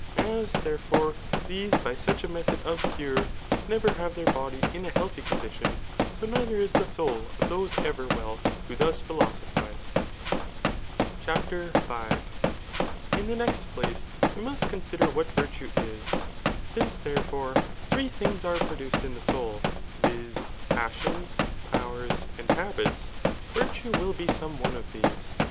As, therefore, the$e by such a method of .cur^ never have their body bi a healthy c^mdkicm, 89 neither id the soul of those ever well who thus^philoso* phi^e. i , Digitized by Google tnjm^. pfpimi j9 CHAPTER V. { ts the ijiejrt place, we must consider what virtue is. ^upNce, .therefore, three things are produced in the soul, viz, passions, powers, and habits, virtue will be some pne of these.